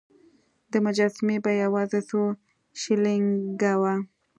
د مجسمې بیه یوازې څو شیلینګه وه.